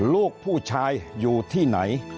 ลูกผู้ชายอยู่ที่ไหน